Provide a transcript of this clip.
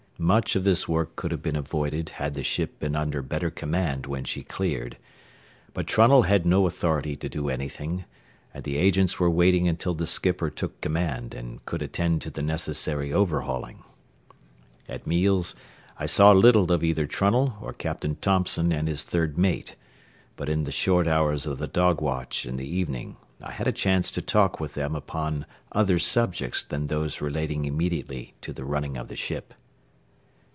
Much of this work could have been avoided had the ship been under better command when she cleared, but Trunnell had no authority to do anything, and the agents were waiting until the skipper took command and could attend to the necessary overhauling. At meals I saw little of either Trunnell or Captain Thompson and his third mate, but in the short hours of the dog watch in the evening I had a chance to talk with them upon other subjects than those relating immediately to the running of the ship.